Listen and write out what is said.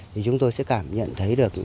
thì chúng tôi sẽ cảm nhận thấy được